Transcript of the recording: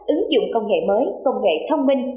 ứng dụng công nghệ mới công nghệ thông minh